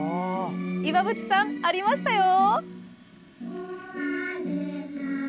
岩渕さん、ありましたよ！